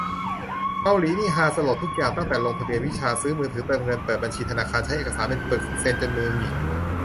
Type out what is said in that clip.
เกาหลีนี่ฮาสลดทุกอย่าง ตั้งแต่ลงทะเบียนวิชา ซื้อมือถือเติมเงิน เปิดบัญชีธนาคาร ใช้เอกสารเป็นปึก เซ็นจนมือหงิก